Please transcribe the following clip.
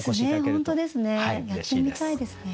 本当ですねやってみたいですね。